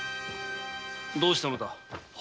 どうしたのだ？